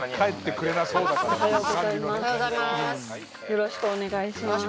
よろしくお願いします。